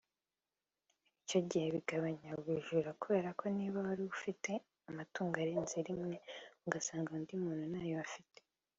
Icyo gihe bigabanya ubujura kubera ko niba wari ufite amatungo arenze rimwe ugasanga undi muntu nta yo afite